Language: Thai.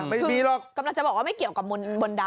ไม่มีหรอกกำลังจะบอกว่าไม่เกี่ยวกับมนต์ดำ